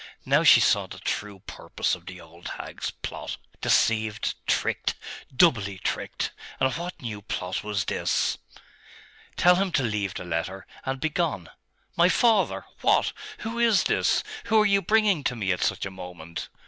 Now she saw the true purpose of the old hag's plot ....deceived, tricked, doubly tricked! And what new plot was this? 'Tell him to leave the letter, and begone.... My father? What? Who is this? Who are you bringing to me at such a moment?